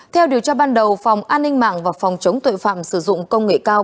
theo điều tra ban đầu phòng an ninh mạng và phòng chống tội phạm sử dụng công nghệ cao